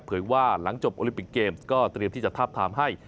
ว่าหลังจบโอลิมปิกเกมส์ก็เตรียมที่จะทาบทามให้